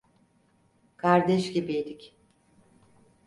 Kardeş gibiydik.